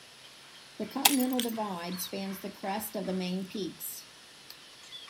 The Continental Divide spans the crest of the main peaks.